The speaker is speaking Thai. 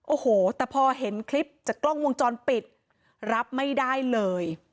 โอ้โหแต่พอเห็นคลิปจากกล้องวงจรปิดรับไม่ได้เลย